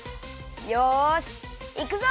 よしいくぞ！